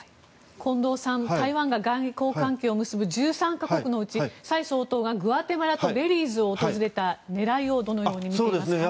近藤さん、台湾が外交関係を結ぶ１３か国のうち蔡総統がグアテマラとベリーズを訪れた狙いをどのように見ていますか。